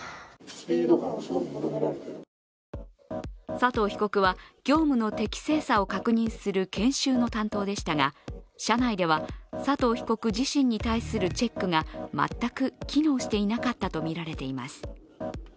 佐藤被告は業務の適正さを確認する検収の担当でしたが社内では佐藤被告自身に対するチェックが全く機能していなかったとみられています。